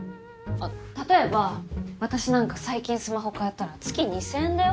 例えば私なんか最近スマホ替えたら月２，０００円だよ。